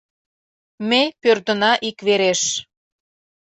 Ме пӧрдына иквереш.